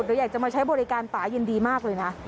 หรืออยากจะมาใช้บริการป่ายินดีมากเลยนะ